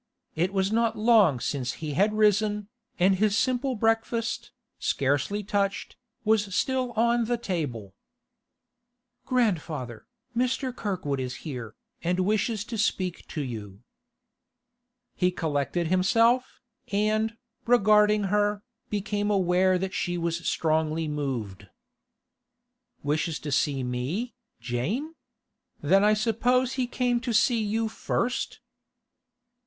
It was not long since he had risen, and his simple breakfast, scarcely touched, was still on the table. 'Grandfather, Mr. Kirkwood is here, and wishes to speak to you.' He collected himself, and, regarding her, became aware that she was strongly moved. 'Wishes to see me, Jane? Then I suppose he came to see you first?